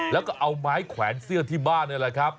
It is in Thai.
แล้วก็เอาไม้แขวนเสื้อที่บ้านนี่แหละครับ